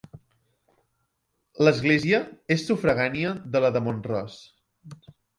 L'església és sufragània de la de Mont-ros.